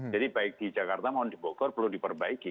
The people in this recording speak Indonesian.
jadi baik di jakarta mau di bogor perlu diperbaiki